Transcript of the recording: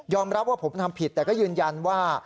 รับว่าผมทำผิดแต่ก็ยืนยันว่า